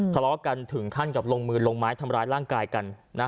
ทะเลาะกันถึงขั้นกับลงมือลงไม้ทำร้ายร่างกายกัน